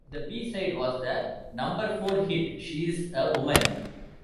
The B-side was the number-four hit "She's a Woman".